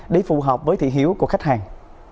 để phù hợp với thị hiếu của khách hàng